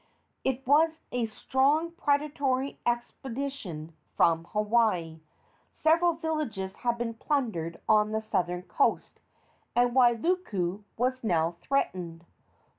It was a strong predatory expedition from Hawaii. Several villages had been plundered on the southern coast, and Wailuku was now threatened.